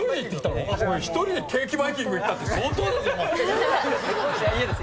１人でケーキバイキング行ったって相当だぞ⁉家です。